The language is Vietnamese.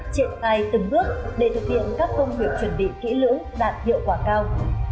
triện tay từng bước để thực hiện các công việc chuẩn bị kỹ lưỡng đạt hiệu quả cao